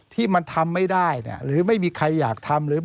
ที่มันทำไม่ได้หรือไม่มีใครอยากทำ